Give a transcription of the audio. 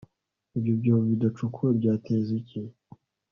Ibyo byobo bidacukuwe byateza iki